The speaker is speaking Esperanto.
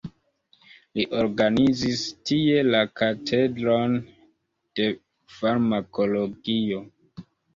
Li organizis tie la katedron de farmakologio.